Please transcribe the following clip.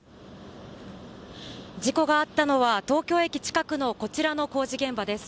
事故があったのは東京駅近くのこちらの工事現場です。